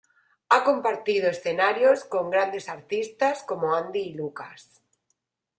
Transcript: Ha compartido escenarios con grandes artistas como Andy y Lucas.